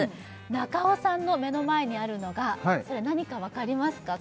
中尾さんの目の前にあるのがそれ何かわかりますか？